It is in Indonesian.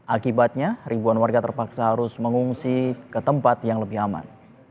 akibatnya ribuan warga terpaksa harus mengungsi ke tempat yang lebih aman